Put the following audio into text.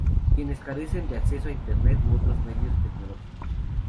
Quienes carecen de acceso a Internet u otros medios tecnológicos.